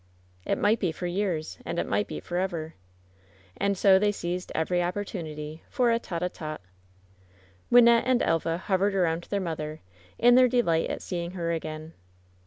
"It might be for years, and it might be forever." And so they seized every opportunity for a tete a tete. Wynnette and Elva hovered around their mother, in their delight at seeing her again.